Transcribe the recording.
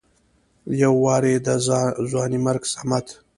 يو وارې د ځوانيمرګ صمد